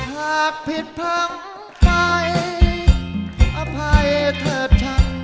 หากผิดพร้อมไปอภัยเถอะฉันทนา